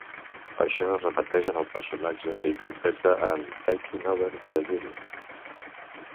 Això es repeteix en el personatge que interpreta en "Takin' Over the Asylum".